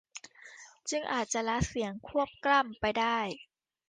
จึงอาจจะละเสียงควบกล้ำไปได้